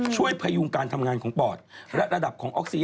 ช่วยปยุงการทำงานของป่อน